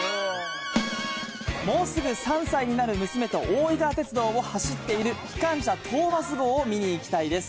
もうすぐ３歳になる娘と大井川鐡道を走っているきかんしゃトーマス号を見に行きたいです。